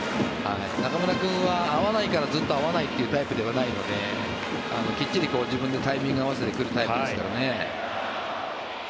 中村君は、合わないからずっと合わないというタイプではないのできっちり自分でタイミングを合わせてくるタイプですからね。